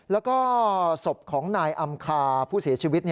แล้วก็ศพของนายอำคาผู้เสียชีวิต